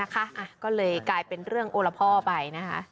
ก็เลยกลายเป็นเรื่องโอละพ่อไปนะคะ